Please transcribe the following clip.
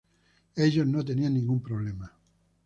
Ellos no tenían ningún problema.